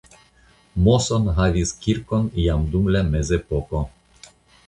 Moson havis kirkon jam dum la mezepoko.